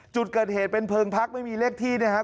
จุดเกิดเหตุเป็นเพลิงพักไม่มีเลขที่นะครับ